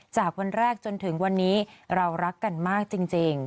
จากวันแรกจนถึงวันนี้เรารักกันมากจริง